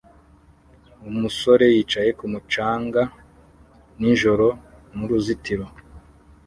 Umusore yicaye kumu canga s nijoro nuruzitiro